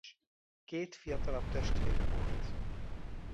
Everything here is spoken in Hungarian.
Két fiatalabb testvére volt.